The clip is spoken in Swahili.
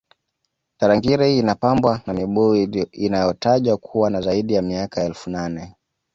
tarangire inapambwa na mibuyu inayotajwa kuwa na zaidi ya miaka elfu nane